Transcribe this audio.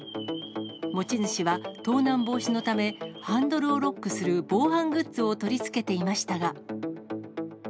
持ち主は盗難防止のため、ハンドルをロックする防犯グッズを取り付けていましたが。